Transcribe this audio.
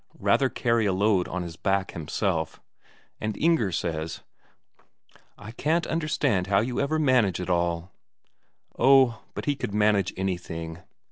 Rather carry a load on his back himself. And Inger says: "I can't understand how you ever manage it all." Oh, but he could manage anything.